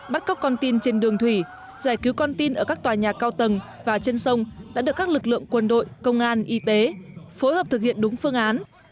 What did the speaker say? bắt cóc con tin trên đường thủy giải cứu con tin ở các tòa nhà cao tầng và trên sông đã được các lực lượng quân đội công an y tế phối hợp thực hiện đúng phương án